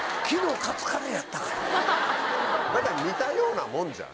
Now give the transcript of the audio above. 似たようなもんじゃん。